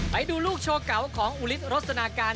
ไปดูลูกโชว์เก่าของอุฤทธรสนาการ